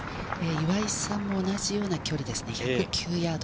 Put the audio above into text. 岩井さんも同じような距離ですね、１０９ヤード。